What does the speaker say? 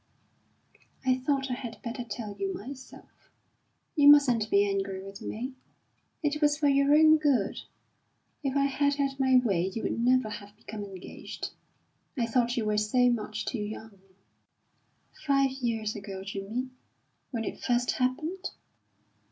"I thought I had better tell you myself. You mustn't be angry with me. It was for your own good. If I had had my way you would never have become engaged. I thought you were so much too young." "Five years ago, d'you mean when it first happened?"